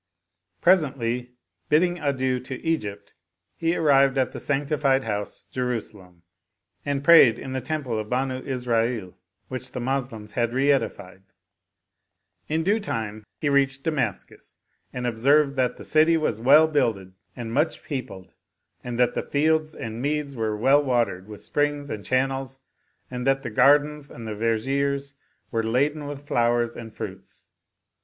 Pres ently, bidding adieu to Egypt he arrived at the Sanctified House, Jerusalem, and prayed in the temple of the Banu Isra'il which the Moslems had reedified. In due time he reached Damascus and observed that the city was well builded and much peopled, and that the fields and meads were well watered with springs and channels and that the gardens and vergiers were laden with flowers and fruits.